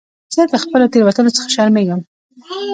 زه د خپلو تېروتنو څخه شرمېږم.